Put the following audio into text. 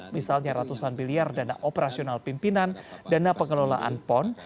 misalnya ratusan miliar dana operasional pimpinan dana pengelolaan pon